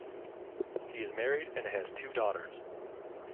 He is married and has two daughters.